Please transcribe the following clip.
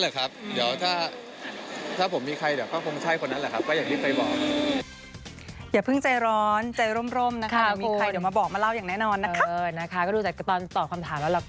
รู้สึกมีความสุขดีครับครับผม